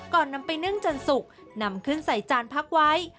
นำไปนึ่งจนสุกนำขึ้นใส่จานพักไว้